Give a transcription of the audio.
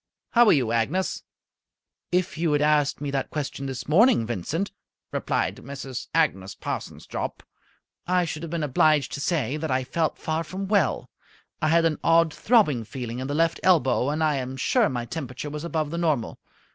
"How are you, Agnes?" "If you had asked me that question this morning, Vincent," replied Mrs. Agnes Parsons Jopp, "I should have been obliged to say that I felt far from well. I had an odd throbbing feeling in the left elbow, and I am sure my temperature was above the normal.